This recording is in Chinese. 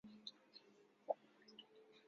叶基渐狭。